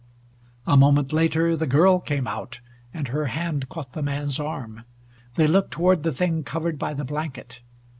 A moment later the girl came out, and her hand caught the man's arm. They looked toward the thing covered by the blanket.